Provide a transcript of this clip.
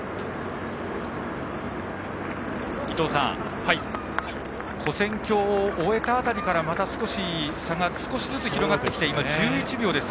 伊藤さん跨線橋を終えた辺りからまた少しずつ差が広がってきて１１秒です。